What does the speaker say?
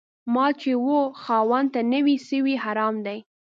مال چي و خاوند ته نه وي سوی، حرام دی